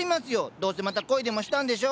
どうせまた恋でもしたんでしょ？